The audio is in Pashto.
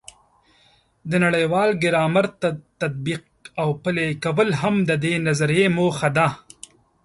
د نړیوال ګرامر تطبیق او پلي کول هم د دې نظریې موخه ده.